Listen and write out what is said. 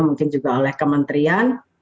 mungkin juga oleh kementerian